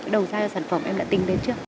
cái đầu gia sản phẩm em đã tính đến chưa